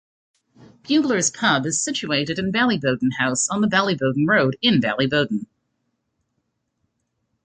"Buglers" pub is situated in Ballyboden House on the Ballyboden Road in Ballyboden.